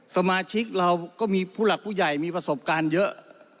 สมาชิกเราก็มีผู้หลักผู้ใหญ่มีประสบการณ์เยอะ